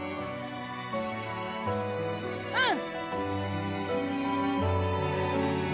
うん！